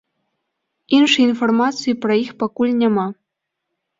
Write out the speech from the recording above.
Іншай інфармацыі пра іх пакуль няма.